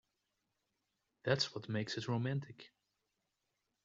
That's what makes it romantic.